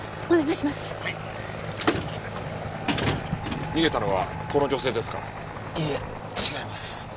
いいえ違います。